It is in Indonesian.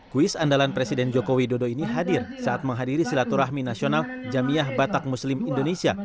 kuis andalan presiden joko widodo ini hadir saat menghadiri silaturahmi nasional jamiah batak muslim indonesia